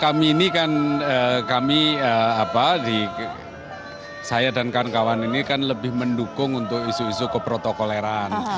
kami ini kan kami saya dan kawan kawan ini kan lebih mendukung untuk isu isu keprotokoleran